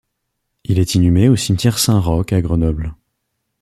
Il est inhumé au Cimetière Saint-Roch à Grenoble.